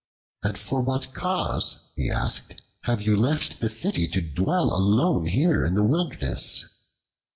"And for what cause," he asked, "have you left the city to dwell alone here in the wilderness?"